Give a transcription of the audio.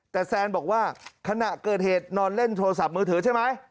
แต่แซนบอกว่าขณะเกิดเหตุนอนเล่นโทรศัพท์มือถือใช่ไหม